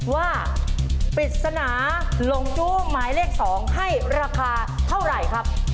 ปริศนาหลงจู้หมายเลข๒ให้ราคาเท่าไหร่ครับ